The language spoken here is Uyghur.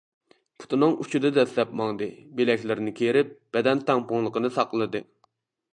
پۇتىنىڭ ئۇچىدا دەسسەپ ماڭدى، بىلەكلىرىنى كېرىپ، بەدەن تەڭپۇڭلۇقىنى ساقلىدى.